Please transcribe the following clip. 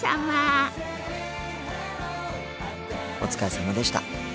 お疲れさまでした。